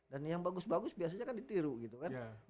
dan yang bagus bagus biasanya kan ditiru gitu kan